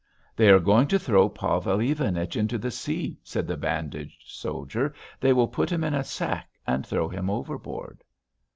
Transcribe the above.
"They are going to throw Pavel Ivanich into the sea," said the bandaged soldier. "They will put him in a sack and throw him overboard."